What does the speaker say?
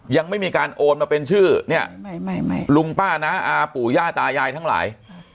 ยังไม่มีการโอนมาเป็นชื่อเนี่ยลุงป้าน้าอาปู่ย่าตายายทั้งหลาย